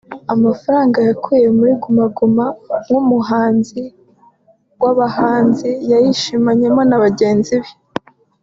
Amafaranga yakuye muri Guma Guma nk’umwunganizi w’abahanzi yayishimanyemo na bagenzi be